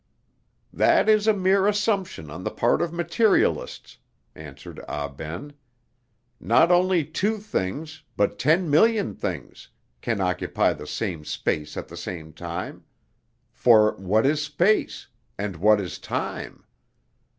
"That is a mere assumption on the part of materialists," answered Ah Ben. "Not only two things, but ten million things, can occupy the same space at the same time; for what is space, and what is time?